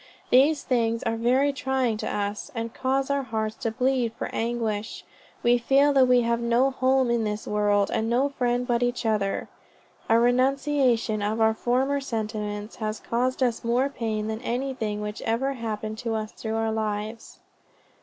"These things are very trying to us, and cause our hearts to bleed for anguish we feel that we have no home in this world, and no friend but each other." "A renunciation of our former sentiments has caused us more pain than anything which ever happened to us through our lives."